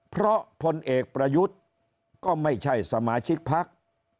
เพราะพลเอกประยุทธ์ก็ไม่ใช่สมาชิกพัก